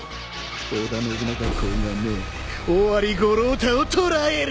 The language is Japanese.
織田信長公が命でオワリ五郎太を捕らえる。